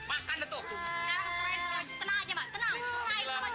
anggur gini buah